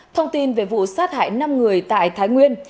thông tin về vụ sát hại năm người tại thái nguyên